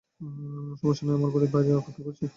সমস্যা নেই, আমার বাড়ির বাইরে অপেক্ষা করছি।